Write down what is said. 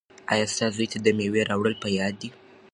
ایا ستا زوی ته د مېوې راوړل په یاد دي؟